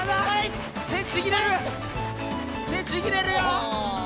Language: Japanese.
てちぎれるよ！